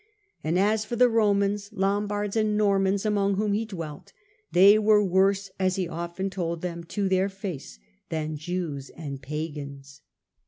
And as for the Eomans, Lombards^ and Normans among whom he dwelt, they were worse, as he often told them to their face, than Jews and Pagans.